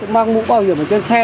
mặc mũ bảo hiểm ở trên xe